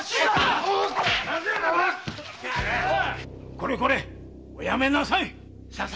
これこれおやめなさい！